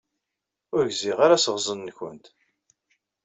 Ur gziɣ ara asseɣẓen-nwent.